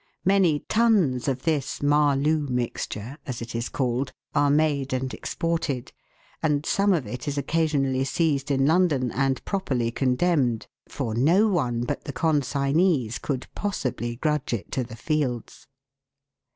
Many tons of this " Mahloo mixture," as it is called, are made and exported, and some of it is occasionally seized in London, and properly con demned, for no one but the consignees could possibly grudge it to the fields.